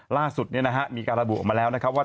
ล่าสุดมีการระบุออกมาแล้วว่า